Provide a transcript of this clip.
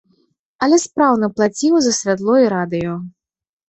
Але спраўна плаціў за святло і радыё.